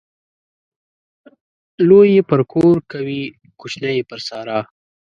لوى يې پر کور کوي ، کوچنى يې پر سارا.